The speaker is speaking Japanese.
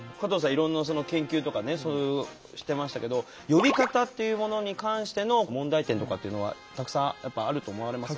いろんな研究とかねそういうしてましたけど呼び方っていうものに関しての問題点とかっていうのはたくさんやっぱあると思われます？